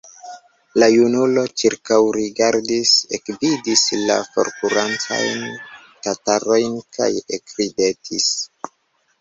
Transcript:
La junulo ĉirkaŭrigardis, ekvidis la forkurantajn tatarojn kaj ekridetis.